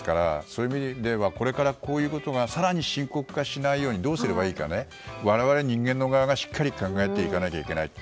でも、こうなってしまったらもう今からでは手遅れですからそういう意味ではこれからこういうことが深刻化しないようにどうすればいいか我々、人間側がしっかり考えていかなきゃいけないと。